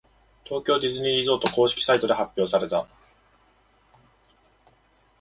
東京ディズニーリゾート公式サイトで発表された。